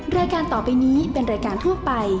รายการต่อไปนี้เป็นรายการทั่วไป